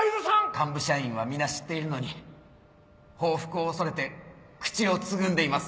幹部社員は皆知っているのに報復を恐れて口をつぐんでいます。